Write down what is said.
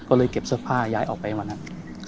ก็เลยเก็บเสื้อผ้าย้ายออกไปวันนั้น